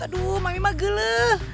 aduh mami mah geleh